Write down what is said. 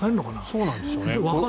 そうなんでしょうね。